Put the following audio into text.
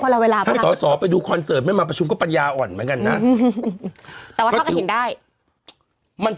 เหรอมันออกไปกันหมดเลยเหรอเหรอ